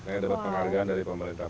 saya dapat penghargaan dari pemerintah